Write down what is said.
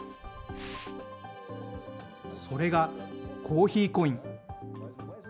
それがコーヒーコイン。